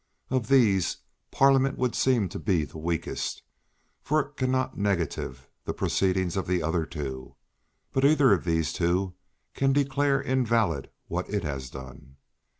Of these Parliament would seem to be the weakest, for it cannot negative the proceedings of the other two; but either of these two can declare invalid what it has done."